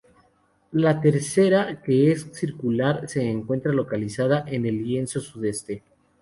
La tercera, que es circular se encuentra localizada en el lienzo sudoeste.